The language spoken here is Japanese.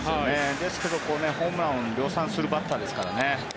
ですけどホームランを量産するバッターですからね。